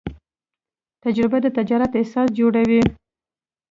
تجربه د تجارت اساس جوړوي.